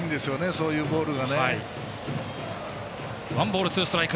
そういうボールが。